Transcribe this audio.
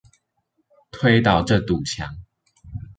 推倒這堵牆！